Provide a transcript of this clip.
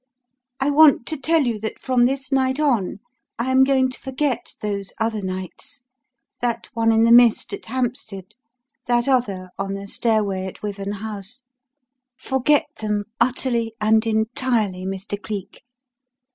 I want to tell you that from this night on I am going to forget those other nights: that one in the mist at Hampstead, that other on the stairway at Wyvern House forget them utterly and entirely, Mr. Cleek.